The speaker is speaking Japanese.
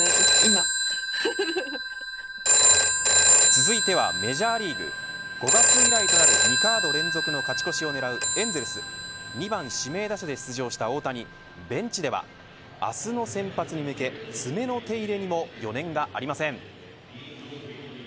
続いてはメジャーリーグ５月以来となる２カード連続の勝ち越しを狙うエンゼルス２番指名打者で出場した大谷ベンチでは明日の先発に向け爪の手入れにも余念がありません。